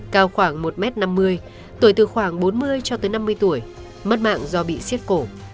cao khoảng một m năm mươi tuổi từ khoảng bốn mươi cho tới năm mươi tuổi mất mạng do bị xiết cổ